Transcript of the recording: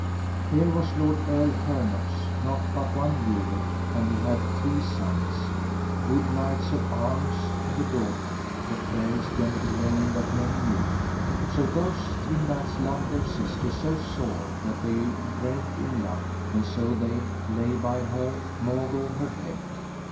Here was Lord Earl Hernox not but one year, and he had three sons, good knights of arms, and a daughter, the fairest gentlewoman that men knew. So those three knights loved their sister so sore that they brent in love, and so they lay by her, maugre her head.